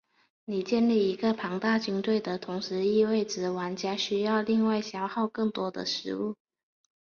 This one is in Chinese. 你建立一个庞大军队的同时意味着玩家需要另外消耗更多的食物。